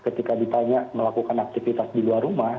ketika ditanya melakukan aktivitas di luar rumah